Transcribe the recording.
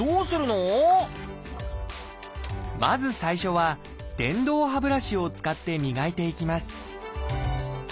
まず最初は電動歯ブラシを使って磨いていきます